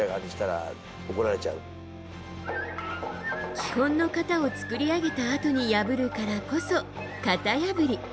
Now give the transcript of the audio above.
基本の型を作り上げたあとに破るからこそ、型破り。